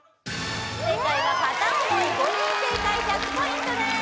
正解は「カタオモイ」５人正解１００ポイントです